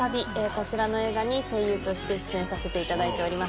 こちらの映画に声優として出演させていただいております。